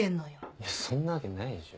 いやそんなわけないでしょ。